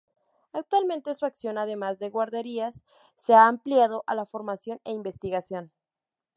Actualmente su acción además de guarderías, se ha ampliado a la formación e investigación.